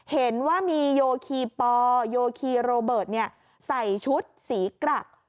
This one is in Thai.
เห็นว่ามีโยคีปอโยคีโรเบิร์ตใส่ชุดสีกรัก